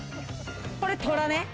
これ、トラね。